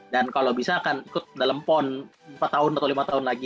dan kalau bisa akan ikut dalam pon empat tahun atau lima tahun lagi